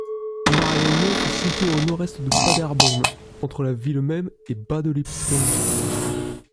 Marienloh se situe au nord-est de Paderborn, entre la ville-même et Bad Lippspringe.